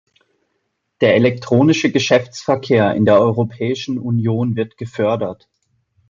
Der elektronische Geschäftsverkehr in der Europäischen Union wird gefördert.